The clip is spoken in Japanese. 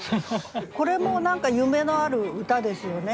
これも何か夢のある歌ですよね。